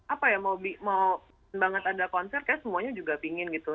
apa ya mau pengen banget ada konser kayaknya semuanya juga pingin gitu